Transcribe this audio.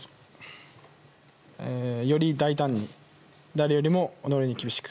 より大胆に誰よりも己に厳しく！